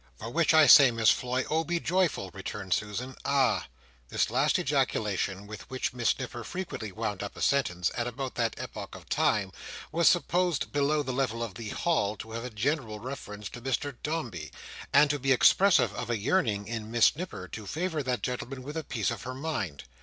"For which I say, Miss Floy, Oh be joyful!" returned Susan, "Ah! h—h!" This last ejaculation, with which Miss Nipper frequently wound up a sentence, at about that epoch of time, was supposed below the level of the hall to have a general reference to Mr Dombey, and to be expressive of a yearning in Miss Nipper to favour that gentleman with a piece of her mind.